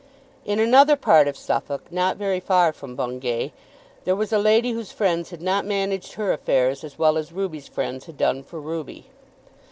In another part of Suffolk, not very far from Bungay, there was a lady whose friends had not managed her affairs as well as Ruby's friends had done for Ruby.